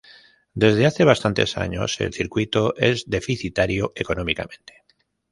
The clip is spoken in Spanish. Desde hace bastantes años, el circuito es deficitario económicamente.